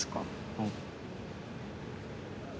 うん。